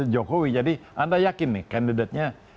jokowi jadi anda yakin nih kandidatnya